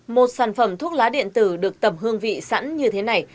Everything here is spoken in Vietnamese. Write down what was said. một sản phẩm thuốc lá điện tử được tầm hương vị sẵn như thế này